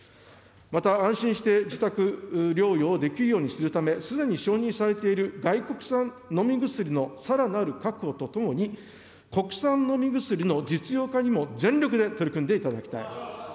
また、安心して自宅療養をできるようにするため、すでに承認されている外国産飲み薬のさらなる確保とともに、国産飲み薬の実用化にも全力で取り組んでいただきたい。